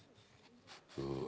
うわ。